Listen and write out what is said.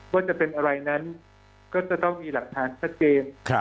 ว่าจะเป็นอะไรนั้นก็จะต้องมีหลักฐานชัดเจน